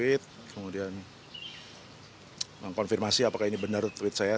kemudian saya tweet kemudian mengkonfirmasi apakah ini benar tweet saya